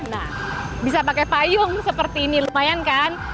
nah bisa pakai payung seperti ini lumayan kan